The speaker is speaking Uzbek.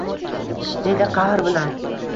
— dedi qahr bilan. —